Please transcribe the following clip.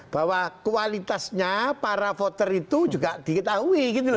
bahwa kualitasnya para voter itu juga diketahui